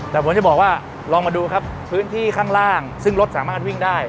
แต่ผมจะบอกว่าลองมาดูครับพื้นที่ข้างล่างซึ่งรถสามารถวิ่งได้